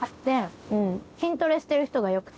筋トレしてる人がよくて。